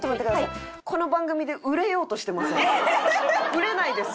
売れないですよ。